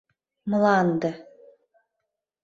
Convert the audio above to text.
МЛАНДЕ